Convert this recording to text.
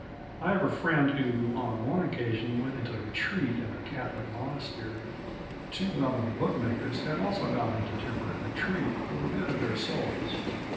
I have a friend who on one occasion went into retreat in a Catholic monastery. Two well known bookmakers had also gone into temporary retreat for the good of their souls.